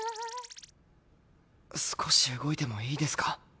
少し動いてもいいですか？